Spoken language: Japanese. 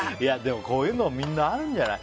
こういうのみんなあるんじゃない？